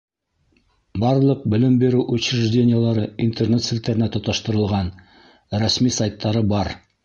Барлыҡ белем биреү учреждениелары Интернет селтәренә тоташтырылған, рәсми сайттары бар.